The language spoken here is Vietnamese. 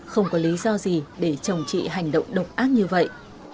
không có lý do gì để chồng chị hành động độc ác như vậy